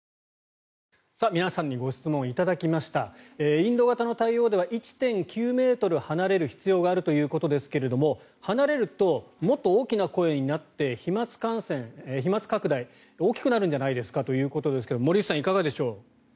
インド型の対応では１．９ｍ離れる必要があるということですけど離れるともっと大きな声になって飛まつ拡大が大きくなるんじゃないですかということですが森内さん、いかがでしょう。